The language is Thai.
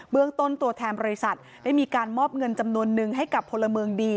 เมืองต้นตัวแทนบริษัทได้มีการมอบเงินจำนวนนึงให้กับพลเมืองดี